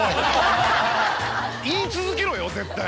言い続けろよ絶対。